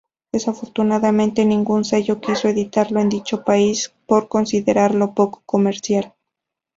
Desafortunadamente, ningún sello quiso editarlo en dicho país por considerarlo "poco comercial".